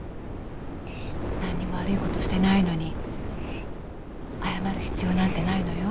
何にも悪いことしてないのに謝る必要なんてないのよ。